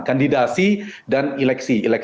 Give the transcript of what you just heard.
kandidasi dan eleksi